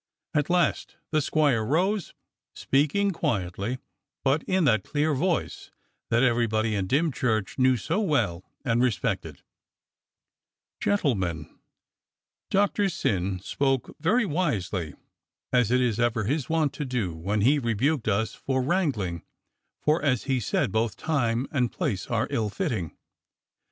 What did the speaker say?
At last the squire rose, speaking quietly but in that clear voice that everybody in Dymchurch knew so well and respected: "Gentlemen, Doctor Syn spoke very wisely, as it is ever his wont to do, when he rebuked us for wrangling, for, as he said, both time and place are ill fitting.